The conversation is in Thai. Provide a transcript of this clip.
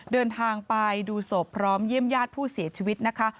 เดินทางไปดูศพพร้อมเยี่ยมญาติผู้เสียชีวิตนะคะ